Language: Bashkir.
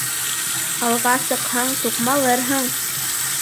Алға сыҡһаң туҡмалырһың.